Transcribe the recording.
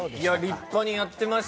立派にやってます。